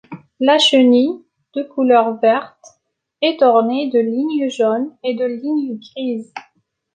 La chenille, de couleur verte, est ornée de lignes jaunes et de lignes grises.